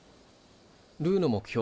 ルーの目標